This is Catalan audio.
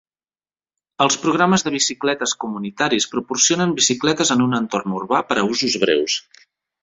Els programes de bicicletes comunitaris proporcionen bicicletes en un entorn urbà per a usos breus.